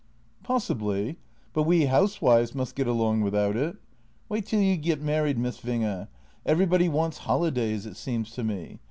" Possibly — but we housewives must get along without it. Wait till you get married, Miss Winge. Everybody wants holidays, it seems to me.